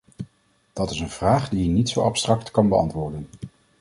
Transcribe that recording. Dat is een vraag die je niet zo abstract kan beantwoorden.